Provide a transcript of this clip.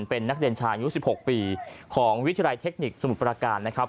เป็นนักเรียนชายุ๑๖ปีของวิทยาลัยเทคนิคสมุทรประการนะครับ